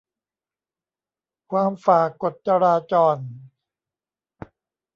ความฝ่ากฎจราจร